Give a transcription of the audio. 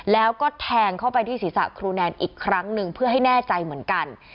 แล้วก็แทงเข้าไปที่ศีรษะครูแนนอีกครั้งหนึ่งเพื่อให้แน่ใจเหมือนกัน